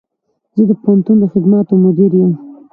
زه د پوهنتون د خدماتو مدیر یم